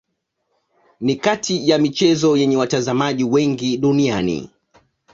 Ni kati ya michezo yenye watazamaji wengi duniani.